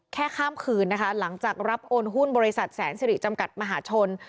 ข้ามคืนนะคะหลังจากรับโอนหุ้นบริษัทแสนสิริจำกัดมหาชน